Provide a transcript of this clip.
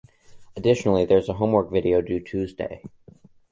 Additionally, there is a homework video due Tuesday.